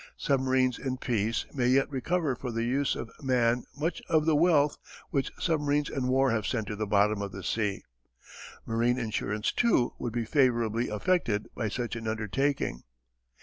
Submarines in peace may yet recover for the use of man much of the wealth which submarines in war have sent to the bottom of the sea. Marine insurance, too, would be favourably affected by such an undertaking.